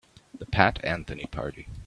The Pat Anthony Party.